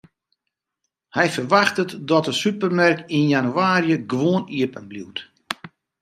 Hy ferwachtet dat de supermerk yn jannewaarje gewoan iepenbliuwt.